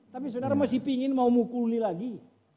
tapi sudara masih pingin mau mukuli lagi